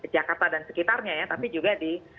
jakarta dan sekitarnya ya tapi juga di